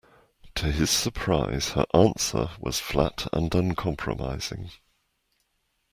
To his surprise, her answer was flat and uncompromising.